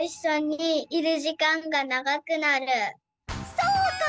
そうか！